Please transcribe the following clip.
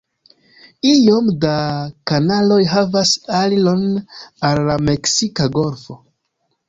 Iom da kanaloj havas aliron al la Meksika golfo.